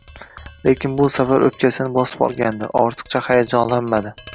Lekin bu safar oʻpkasini bosib olgandi, ortiqcha hayajonlanmadi